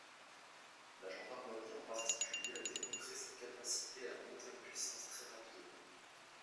La gendarmerie en particulier a démontré sa capacité à monter en puissance très rapidement.